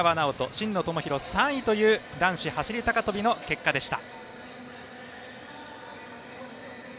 真野友博、３位という男子走り高跳びの結果でした。